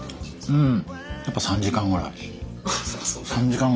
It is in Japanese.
うん。